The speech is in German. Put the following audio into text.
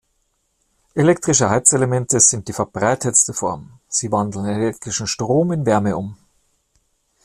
Elektrische Heizelemente sind die verbreitetste Form, sie wandeln elektrischen Strom in Wärme um.